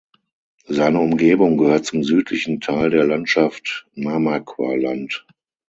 Seine Umgebung gehört zum südlichen Teil der Landschaft Namaqualand.